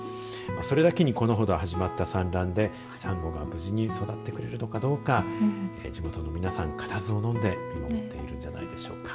それだけにこのほど始まった産卵でサンゴが無事に育ってくれるのかどうか地元の皆さん固唾を飲んで見守っているんじゃないでしょうか。